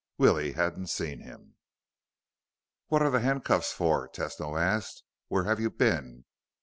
Willie hadn't seen him. "What are the handcuffs for?" Tesno asked. "Where have you been?"